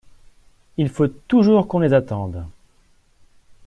Il faut toujours qu’on les attende.